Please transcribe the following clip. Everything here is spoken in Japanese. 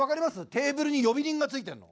テーブルに呼び鈴がついてるの。